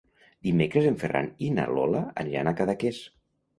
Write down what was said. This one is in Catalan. Dimecres en Ferran i na Lola aniran a Cadaqués.